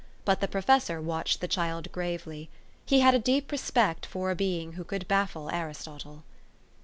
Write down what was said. But the professor watched the child gravely. He had a deep respect for a being who could baffle Aristotle.